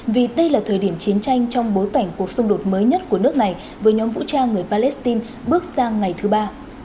vì đây là thời điểm chiến tranh trong bối cảnh cuộc xung đột mới nhất của nước này với nhóm vũ trang người palestine bước sang ngày thứ ba